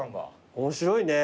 面白いね。